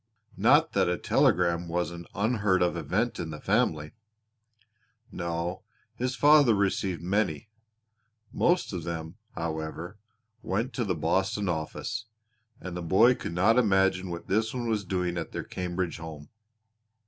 Not that a telegram was an unheard of event in the family. No, his father received many; most of them, however, went to the Boston office, and the boy could not imagine what this one was doing at their Cambridge home.